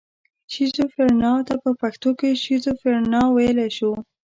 شیزوفرنیا ته په پښتو کې شیزوفرنیا ویلی شو.